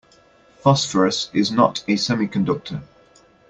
Phosphorus is not a semiconductor.